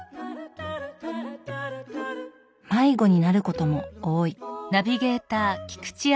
迷子になることも多い。